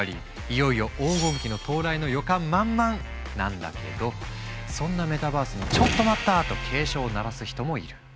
いよいよ黄金期の到来の予感満々なんだけどそんなメタバースにと警鐘を鳴らす人もいる。